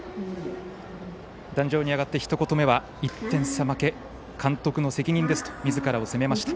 壇上に上がってひと言目は１点差負け、監督の責任ですとみずからを責めました。